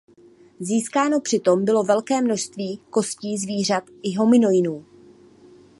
Získáno přitom bylo velké množství kostí zvířat i homininů.